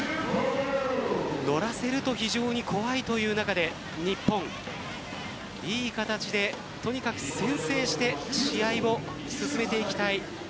乗らせると非常に怖いという中で日本、いい形でとにかく先制して試合を進めていきたい。